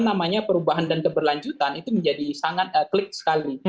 namanya perubahan dan keberlanjutan itu menjadi sangat klik sekali